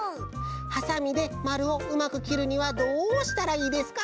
「はさみでまるをうまくきるにはどうしたらいいですか？」